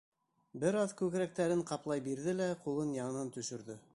Бер аҙ күкрәктәрен ҡаплай бирҙе лә, ҡулын яңынан төшөрҙө.